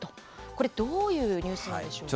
これ、どういうニュースなんでしょう。